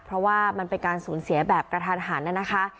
เพราะว่ามันเป็นการสูญเสียแบบกระทันหันน่ะนะคะ